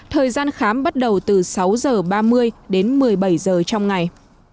thời gian khám bắt đầu từ sáu h ba mươi đến một mươi bảy giờ trong ngày